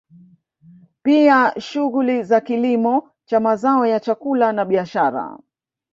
Pia shughuli za kilimo cha mazao ya chakula na biashara